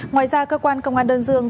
ngoài ra cơ quan công an đơn dương